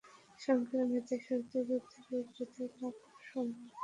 শঙ্করের মেধার সহিত বুদ্ধের হৃদয় লাভ করা সম্ভব।